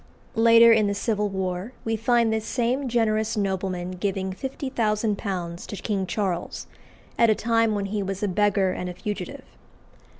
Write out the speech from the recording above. Later in the Civil War we find this same generous nobleman giving £50,000 to King Charles, at a time when he was a beggar and a fugitive.